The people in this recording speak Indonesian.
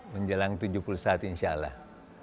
menjelang tujuh puluh saat insya allah